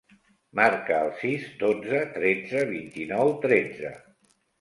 Marca el sis, dotze, tretze, vint-i-nou, tretze.